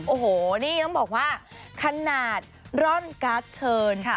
โอ้โหนี่ต้องบอกว่าขนาดร่อนการ์ดเชิญค่ะ